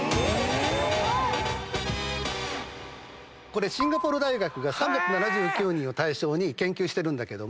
これシンガポール大学が３７９人を対象に研究してるんだけども。